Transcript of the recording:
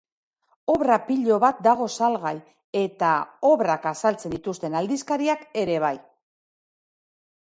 Obra pilo bat dago salgai, eta obrak azaltzen dituzten aldizkariak ere bai.